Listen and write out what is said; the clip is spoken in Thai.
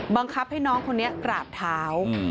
บังคับให้น้องคนนี้กราบเท้า